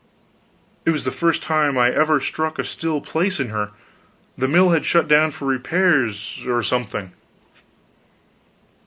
It was the first time I ever struck a still place in her. The mill had shut down for repairs, or something.